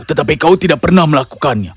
tetapi kau tidak pernah melakukannya